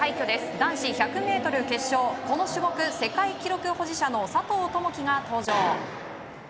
男子１００ｍ決勝この種目、世界記録保持者の佐藤友祈が登場。